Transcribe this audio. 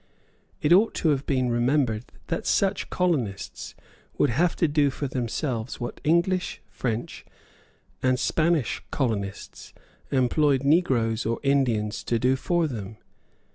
It ought to have been remembered that such colonists would have to do for themselves what English, French, Dutch, and Spanish colonists employed Negroes or Indians to do for them.